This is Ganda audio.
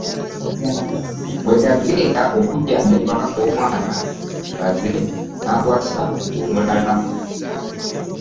Bw.e nagenda okujanajaba omwana baze m'awasa omulala .